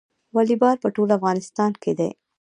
والیبال په ټول افغانستان کې کیږي.